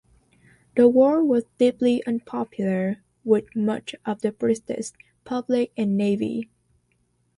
The war was deeply unpopular with much of the British public and navy.